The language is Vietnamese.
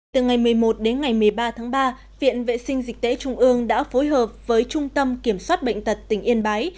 từ ngày một mươi một đến ngày một mươi ba tháng ba viện vệ sinh dịch tễ trung ương đã phối hợp với trung tâm kiểm soát bệnh tật tỉnh yên bái